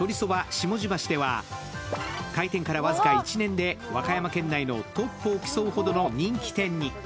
下地橋では開店から僅か１年で和歌山県内のトップを競うほどの人気店に。